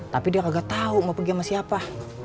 tapi dia kagak tahu mau pergi sama siapa